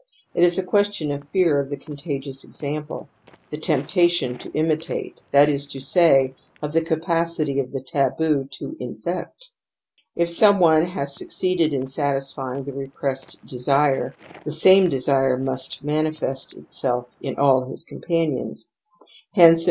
It is a question of fear of the contagious example, the temptation to imi tate, that is to say, of the capacity of the taboo to infect. If some one has succeeded in satisfy ing the repressed desire, the same desire must manifest itself in all his companions ; hence, in